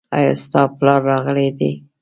ایا ستا پلار راغلی دی ؟